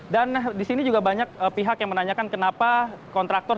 dan di sini juga banyak pihak yang menanyakan kenapa kontraktor